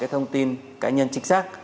thông tin cá nhân chính xác